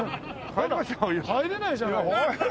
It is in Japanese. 入れないじゃない。